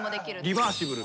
リバーシブル。